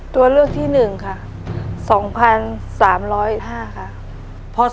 ตัวเลือกที่๔พศ๒๓๒๐